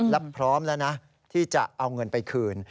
และพร้อมแล้วนะที่จะเอาเงินไปคืน